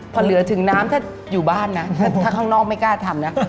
พอเหลือถึงน้ำถ้าอยู่บ้านนะถ้าข้างนอกไม่กล้าทำนะ